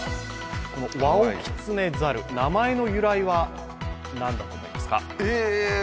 このワオキツネザル名前の由来は何だと思いますか？